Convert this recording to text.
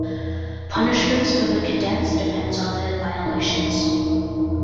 Punishments for the cadets depends on their violations.